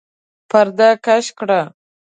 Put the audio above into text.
پرده کش کړه!